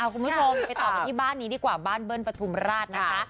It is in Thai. คุณผู้ชมไปต่อกันที่บ้านนี้ดีกว่าบ้านเบิ้ลปฐุมราชนะคะ